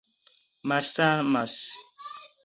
malsamas